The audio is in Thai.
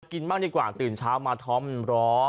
กินบ้างดีกว่าตื่นเช้ามาท้องมันร้อน